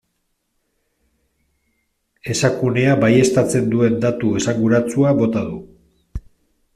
Esakunea baieztatzen duen datu esanguratsua bota du.